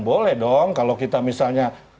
boleh dong kalau kita misalnya